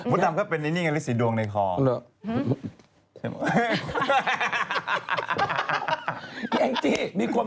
ออกไปอยู่ด้วยใช่ไหม